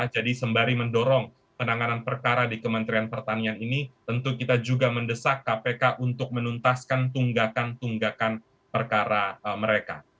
jadi sembari mendorong penanganan perkara di kementerian pertanian ini tentu kita juga mendesak kpk untuk menuntaskan tunggakan tunggakan perkara mereka